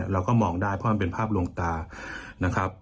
เราก็มองได้เพราะมันเป็นภาพลวงตานะครับ